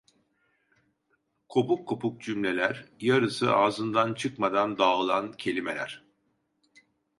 Kopuk kopuk cümleler, yarısı ağzından çıkmadan dağılan kelimeler...